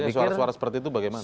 suara suara seperti itu bagaimana